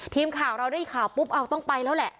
ทีมข่าวเราได้ข่าวปุ๊บเอาต้องไปแล้วแหละ